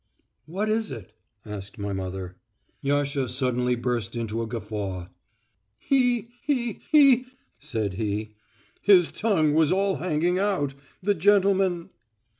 "What is it?" asked my mother. Yasha suddenly burst into a guffaw. "He he he," said he. "His tongue was all hanging out.... The gentleman...."